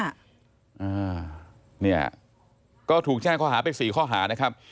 อ่าเนี่ยก็ถูกแจ้งข้อหาไปสี่ข้อหานะครับ